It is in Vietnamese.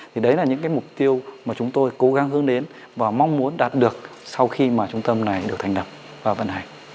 thì đấy là những cái mục tiêu mà chúng tôi cố gắng hướng đến và mong muốn đạt được sau khi mà trung tâm này được thành lập và vận hành